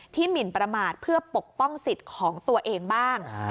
หมินประมาทเพื่อปกป้องสิทธิ์ของตัวเองบ้าง